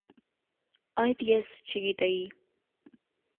- Այդ ես չգիտեի: